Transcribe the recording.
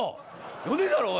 呼んでんだろおい！